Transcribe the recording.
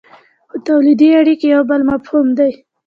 خو تولیدي اړیکې یو بل مفهوم دی.